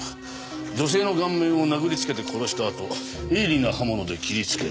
女性の顔面を殴りつけて殺したあと鋭利な刃物で切りつける。